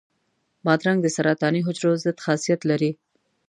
بادرنګ د سرطاني حجرو ضد خاصیت لري.